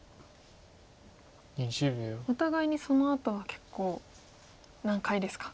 お互いにそのあとは結構難解ですか。